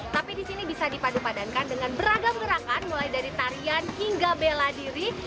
tapi di sini bisa dipadu padankan dengan beragam gerakan mulai dari tarian hingga bela diri